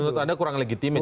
menurut anda kurang legitimit